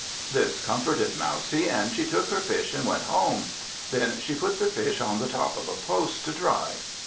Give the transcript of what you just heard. This comforted Mousie, and she took her Fish and went home. Then she put the Fish on the top of a post, to dry.